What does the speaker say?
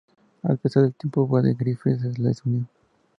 Al pasar el tiempo Bede Griffiths se les unió.